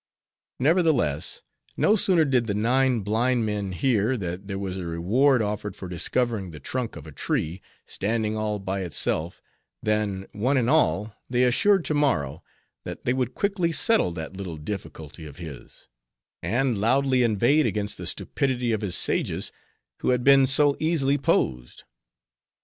Nevertheless, no sooner did the nine blind men hear that there was a reward offered for discovering the trunk of a tree, standing all by itself, than, one and all, they assured Tammaro, that they would quickly settle that little difficulty of his; and loudly inveighed against the stupidity of his sages, who had been so easily posed.